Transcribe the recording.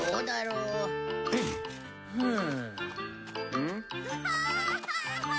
うん！